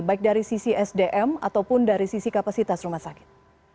baik dari sisi sdm ataupun dari sisi kapasitas rumah sakit